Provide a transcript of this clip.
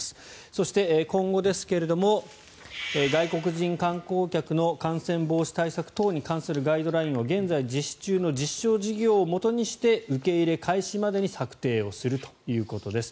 そして今後ですが外国人観光客の感染防止対策等に関するガイドラインは現在、実施中の実証事業をもとにして受け入れ開始までに策定をするということです。